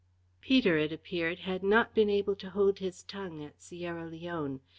Peter, it appeared, had not been able to hold his tongue at Sierra Leone.